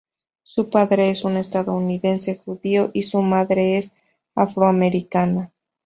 Su padre es un estadounidense judío y su madre es afroamericana.